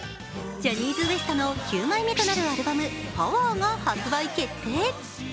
ジャニーズＷＥＳＴの９枚目となるアルバム「ＰＯＷＥＲ」が発売決定。